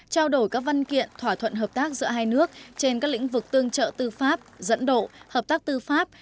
trao đổi các văn kiện thỏa thuận hợp tác giữa hai nước trên các lĩnh vực tương trợ tư pháp dẫn độ hợp tác tư pháp